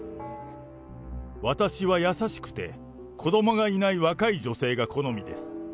私は優しくて、子どもがいない若い女性が好みです。